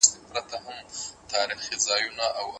ژوند یوه لنډه کیسه ده.